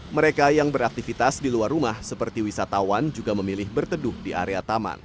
mereka yang beraktivitas di luar rumah seperti wisatawan juga memilih berteduh di area taman